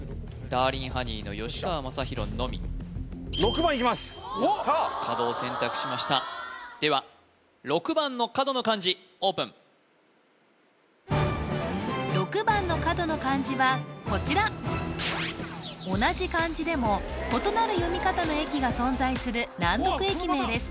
ダーリンハニーの吉川正洋のみおっ角を選択しましたでは６番の角の漢字オープン６番の角の漢字はこちら同じ漢字でも異なる読み方の駅が存在する難読駅名です